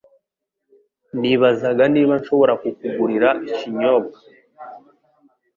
Nibazaga niba nshobora kukugurira ikinyobwa.